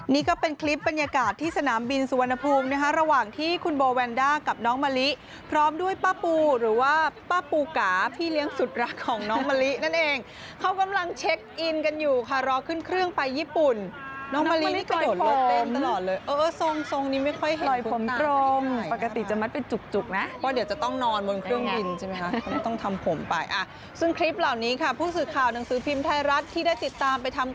นี่ก็เป็นคลิปบรรยากาศที่สนามบินสุวรรณภูมินะฮะระหว่างที่คุณโบวัลด้ากับน้องมะลิพร้อมด้วยป้าปูหรือว่าป้าปูก๋าที่เลี้ยงสุดรักของน้องมะลินั่นเองเขากำลังเช็คอินกันอยู่ค่ะรอขึ้นเครื่องไปญี่ปุ่นน้องมะลิไปโดดลดเต้นตลอดเลยน้องมะลิกลอยผมเออทรงนี่ไม่ค่อยเห็นคุณ